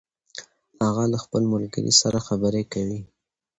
هغه له خپل ملګري سره خبرې کوي